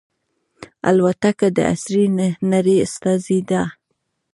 الوتکه د عصري نړۍ استازې ده.